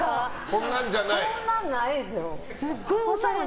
こんなんないですよ。